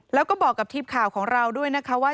แล้วก็บอกกับทีมข่าวของเราด้วยนะคะว่า